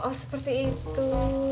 oh seperti itu